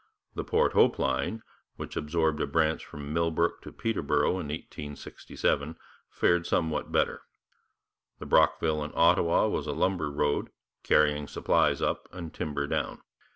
The Port Hope line, which absorbed a branch from Millbrook to Peterborough in 1867, fared somewhat better. The Brockville and Ottawa was a lumber road, carrying supplies up and timber down.